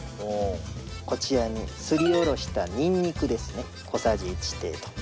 こちらにすりおろしたニンニクですね小さじ１程度。